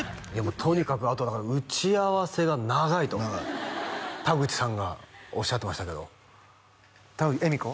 とにかくあとだから打ち合わせが長いと田口さんがおっしゃってましたけど惠美子？